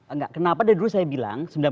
enggak kenapa dari dulu saya bilang